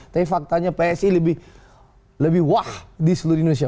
tapi faktanya psi lebih wah di seluruh indonesia